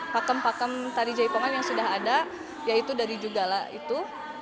pakem pakem tadi jaipongan yang sudah ada yaitu dari juga lah itu